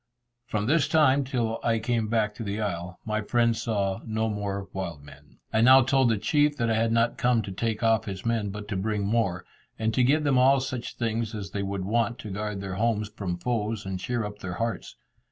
From this time till I came back to the isle my friends saw no more wild men. I now told the chief that I had not come to take off his men, but to bring more, and to give them all such things as they would want to guard their homes from foes, and cheer up their hearts.